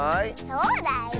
そうだよ。